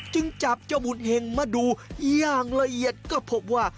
จึงจับเจ้าหมุนเห็งมาดูอย่างละเอียดก็พบว่า